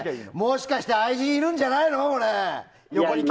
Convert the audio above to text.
もしかして愛人いるんじゃないの？